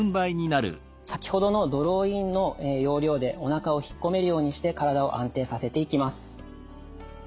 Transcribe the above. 先ほどのドローインの要領でおなかをひっこめるようにして体を安定させていきます。